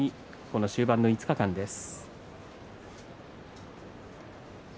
この終盤の５日間です。